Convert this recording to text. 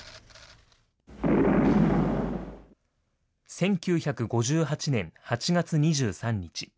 １９５８年８月２３日。